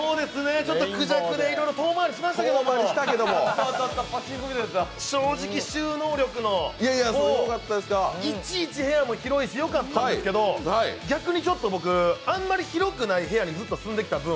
ちょっとクジャクで遠回りしましたけど正直、収納力の、いちいち部屋も広かったし、よかったんですけど、逆にちょっと、あまり広くない部屋にずっと住んできた分、